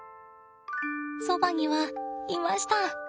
そばにはいました。